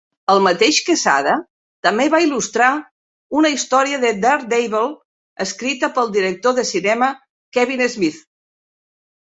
El mateix Quesada també va il·lustrar una història de "Daredevil" escrita pel director de cinema Kevin Smith.